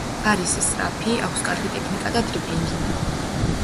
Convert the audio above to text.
არის სწრაფი, აქვს კარგი ტექნიკა და დრიბლინგი.